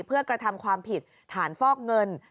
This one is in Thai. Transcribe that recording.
เพื่อกระทำความผิดฐานฟอกเงิน